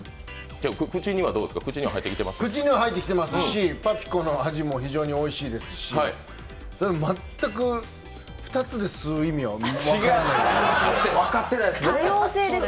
口には入ってきてますし、パピコの味も非常においしいですしただ、全く、２つで吸う意味は分からないです。